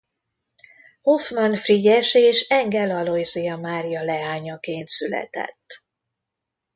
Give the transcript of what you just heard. Hoffmann Frigyes és Engel Alojzia Mária leányaként született.